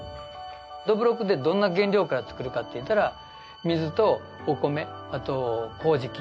どぶろくってどんな原料から造るかっていったら水とお米あと麹菌。